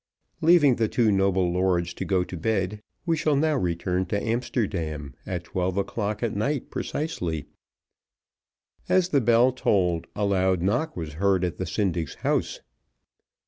Leaving the two noble lords to go to bed, we shall now return to Amsterdam at twelve o'clock at night precisely; as the bell tolled, a loud knock was heard at the syndic's house.